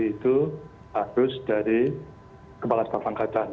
empat puluh lima dni itu harus dari kepala setafangkatan